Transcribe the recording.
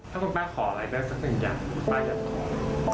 ถ้าคุณป้าขออะไรได้สักสักอย่างป้ายังขอ